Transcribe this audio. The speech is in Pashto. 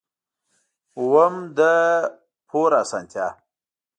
اووم: د پور اسانتیا.